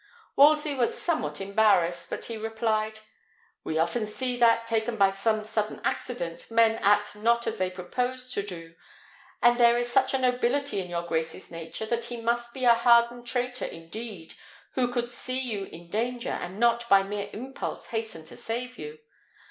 Wolsey was somewhat embarrassed; but he replied, "We often see that, taken by some sudden accident, men act not as they proposed to do; and there is such a nobility in your grace's nature, that he must be a hardened traitor indeed who could see you in danger, and not by mere impulse hasten to save you.